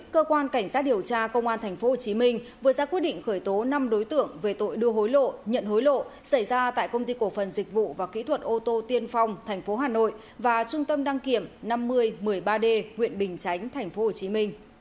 cơ quan cảnh sát điều tra công an tp hcm vừa ra quyết định khởi tố năm đối tượng về tội đưa hối lộ nhận hối lộ xảy ra tại công ty cổ phần dịch vụ và kỹ thuật ô tô tiên phong tp hà nội và trung tâm đăng kiểm năm mươi một mươi ba d huyện bình chánh tp hcm